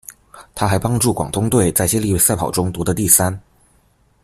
她还帮助广东队在接力赛跑中夺得第三。